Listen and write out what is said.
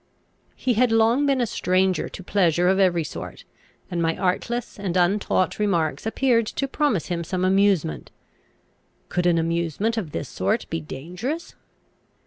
He had long been a stranger to pleasure of every sort, and my artless and untaught remarks appeared to promise him some amusement. Could an amusement of this sort be dangerous?